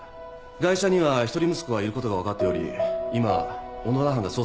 ガイ者には１人息子がいることが分かっており今小野田班が捜索中です。